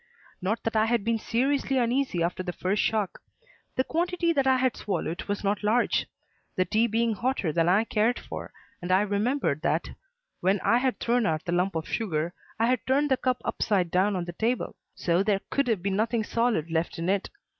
Not that I had been seriously uneasy after the first shock. The quantity that I had swallowed was not large the tea being hotter than I cared for and I remembered that, when I had thrown out the lump of sugar, I had turned the cup upside down on the table; so there could have been nothing solid left in it.